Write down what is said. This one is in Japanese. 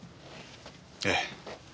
ええ。